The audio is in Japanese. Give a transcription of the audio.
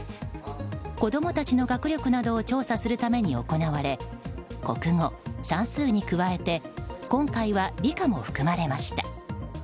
子供たちの学力などを調査するために行われ国語、算数に加えて今回は理科も含まれました。